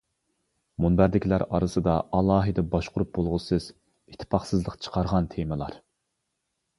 مۇنبەردىكىلەر ئارىسىدا ئالاھىدە باشقۇرۇپ بولغۇسىز ئىتتىپاقسىزلىق چىقارغان تېمىلار.